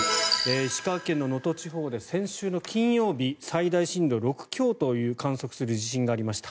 石川県の能登地方で先週の金曜日最大震度６強を観測する地震がありました。